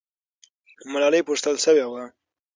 ملالۍ پوښتل سوې وه.